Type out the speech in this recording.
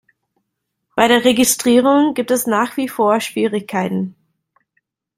Bei der Registrierung gibt es nach wie vor Schwierigkeiten.